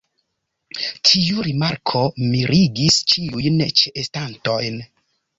Tiu rimarko mirigis ĉiujn ĉeestantojn.